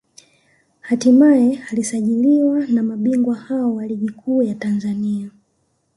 hatimaye alisajiliwa na mabingwa hao wa Ligi Kuu ya Tanzania